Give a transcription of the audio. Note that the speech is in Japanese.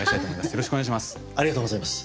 よろしくお願いします。